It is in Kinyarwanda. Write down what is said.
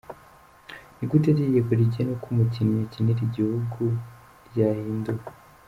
Ni gute itegeko rigena uko umukinnyi akinira igihugu ryahinduwe?.